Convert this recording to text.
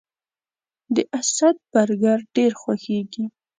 د اسد برګر ډیر خوښیږي